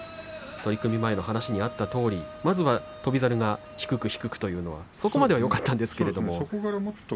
取組前の話にあったとおり翔猿が低く低くというのはそこまではよかったんですね。